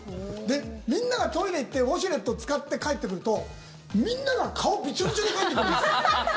で、みんながトイレ行ってウォシュレット使って帰ってくるとみんなが顔ビチョビチョで帰ってくるんです。